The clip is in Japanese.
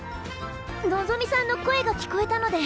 のぞみさんの声が聞こえたので。